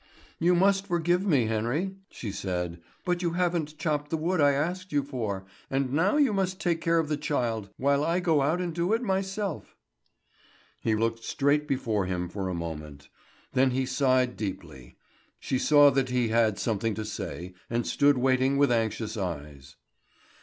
"You must forgive me, Henry," she said, "but you haven't chopped the wood I asked you for; and now you must take care of the child while I go out and do it myself." He raised his head and looked straight before him for a moment. Then he sighed deeply. She saw that he had something to say, and stood waiting with anxious eyes.